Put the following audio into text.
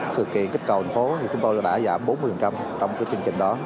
sự kiện kích cầu thành phố thì chúng tôi đã giảm bốn mươi trong chương trình đó